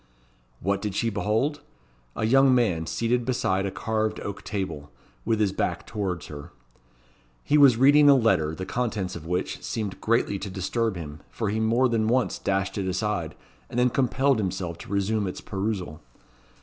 What did she behold? A young man seated beside a carved oak table, with his back towards her. He was reading a letter, the contents of which seemed greatly to disturb him, for he more than once dashed it aside, and then compelled himself to resume its perusal.